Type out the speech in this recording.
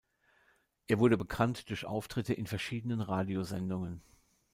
Er wurde bekannt durch Auftritte in verschiedenen Radiosendungen.